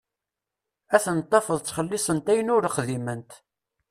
Ad tent-tafeḍ ttxelisent ayen ur xdiment.